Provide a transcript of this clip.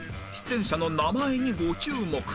出演者の名前にご注目